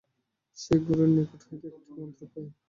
সে গুরুর নিকট হইতে একটি মন্ত্র পায়।